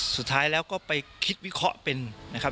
สุดท้ายแล้วก็ไปคิดวิเคราะห์เป็นนะครับ